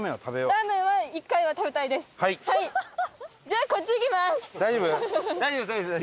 じゃあこっち行きます。